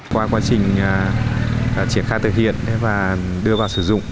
qua quá trình triển khai thực hiện và đưa vào sử dụng